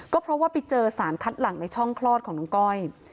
ก็เพราะว่าไปเจอสารคัดหลังในช่องคลอดของน้องก้อย